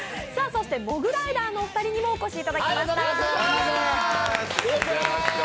そしてモグライダーのお二人にもお越しいただきました。